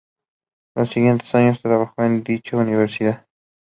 Los siguientes años trabajó en dicha universidad.